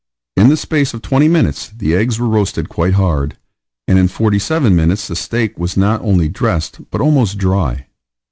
In the space of twenty minutes the eggs were roasted quite hard, and in forty seven minutes the steak was not only dressed, but almost dry.